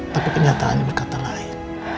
tapi kenyataannya berkata lain